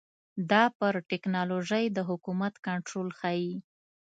دا پر ټکنالوژۍ د حکومت کنټرول ښيي.